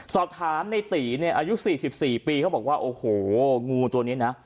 สอบถามในตีเนี่ยอายุ๔๔ปีเขาบอกว่าโอ้โหงูตัวนี้นะ